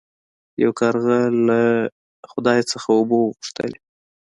یو کارغه له خدای څخه اوبه وغوښتلې.